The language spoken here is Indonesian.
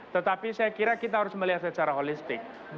tetapi saya kira kita harus melihat secara holistik